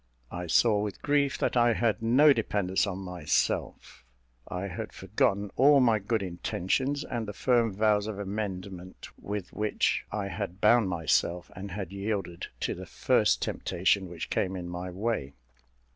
I saw, with grief, that I had no dependence on myself; I had forgotten all my good intentions, and the firm vows of amendment with which I had bound myself, and had yielded to the first temptation which came in my way.